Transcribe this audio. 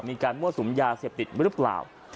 มีการมั่วสุมยาเสพติดหรือเปล่า